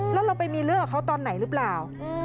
แล้วเราไปมีเรื่องกับเขาตอนไหนหรือเปล่า